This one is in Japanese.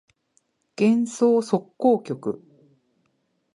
幻想即興曲